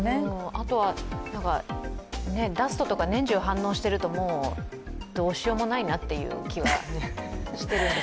あとはダストとか年中反応しているともうどうしようもないなという気はしているんです。